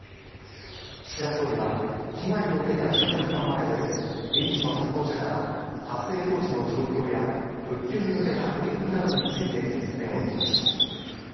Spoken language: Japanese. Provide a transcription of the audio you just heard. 岸田総理は被害を受けた住宅の前で、現地の担当者から発生当時の状況や復旧に向けた取り組みなどについて説明を受けました。